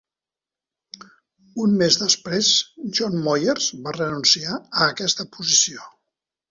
Un mes després, John Moyers va renunciar a aquesta posició.